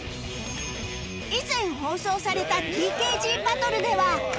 以前放送された ＴＫＧ バトルでは